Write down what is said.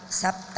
bapak usman sapta